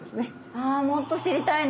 あもっと知りたいね。